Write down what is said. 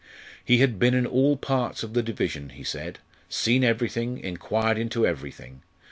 He had been in all parts of the division, he said; seen everything, inquired into everything.